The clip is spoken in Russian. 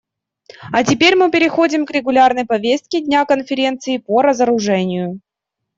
А теперь мы переходим к регулярной повестке дня Конференции по разоружению.